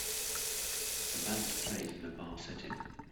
A band plays in a bar setting